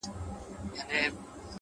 اسمان ناڅاپه